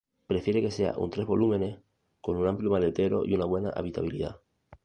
Prefiere que sea un tres volúmenes con un amplio maletero y una buena habitabilidad.